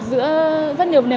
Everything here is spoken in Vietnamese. giữa rất nhiều nền văn hóa